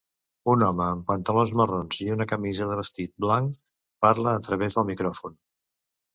Un home amb pantalons marrons i una camisa de vestit blanc parla a través del micròfon.